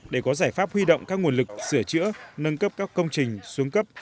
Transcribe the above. để có giải pháp huy động các nguồn lực sửa chữa nâng cấp các công trình xuống cấp